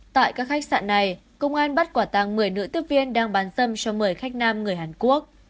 tại các khách sạn này công an bắt quả tàng một mươi nữ tiếp viên đang bán dâm cho một mươi khách nam người hàn quốc